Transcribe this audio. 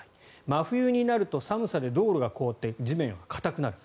真冬になると寒さで道路が凍って地面は固くなる。